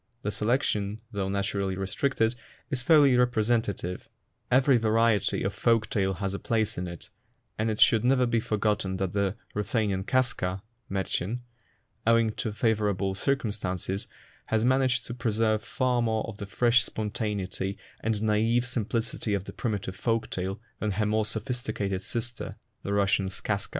The selection, though natu rally restricted, is fairly representative; every variety 10 INTRODUCTION of folk tale has a place in it, and it should never be forgotten that the Ruthenian kazka {Mdrchen), owing to favourable circumstances, has managed to preserve far more of the fresh spontaneity and naive simplicity of the primitive folk tale than her more sophisticated sister, the Russian skazka.